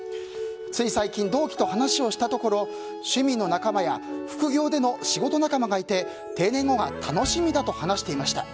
つい最近、同期と話をしたところ趣味の仲間や副業での仕事仲間がいて定年後が楽しみだと話していました。